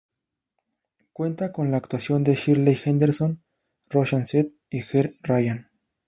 Cuenta con la actuación de Shirley Henderson, Roshan Seth y Ger Ryan.